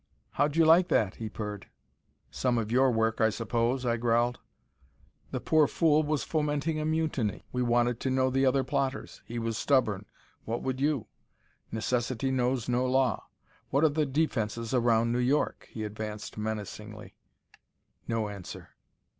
"How'd you like that?" he purred. "Some of your work, I suppose," I growled. "The poor fool was fomenting a mutiny. We wanted to know the other plotters. He was stubborn. What would you? Necessity knows no law.... What are the defenses around New York?" He advanced menacingly. No answer.